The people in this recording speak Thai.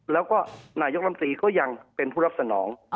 แล้วก็นายกรรมตรีก็ยังเป็นผู้รับสนอง